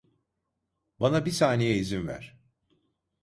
Bana bir saniye izin ver.